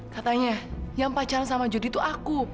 katanya yang pacaran sama jody itu aku